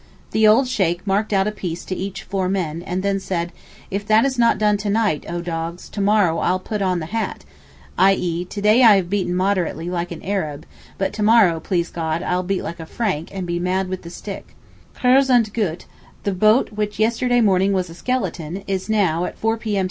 The old Sheykh marked out a piece to each four men, and then said, 'If that is not done to night, Oh dogs! to morrow I'll put on the hat'—i.e. 'To day I have beaten moderately, like an Arab, but to morrow, please God, I'll beat like a Frank, and be mad with the stick.' Kurz und gut, the boat which yesterday morning was a skeleton, is now, at four p.m.